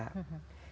kita bisa berinfak